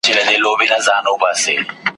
غوايي هم وکړل پاچا ته سلامونه !.